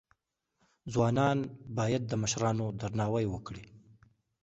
ځوانان باید د مشرانو درناوی وکړي.